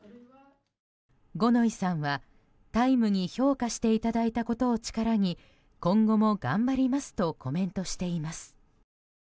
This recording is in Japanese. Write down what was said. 五ノ井さんは、「タイム」に評価していただいたことを力に今後も頑張りますとコメントしています。